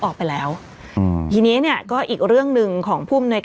ออกไปแล้วอืมทีนี้เนี่ยก็อีกเรื่องหนึ่งของผู้อำนวยการ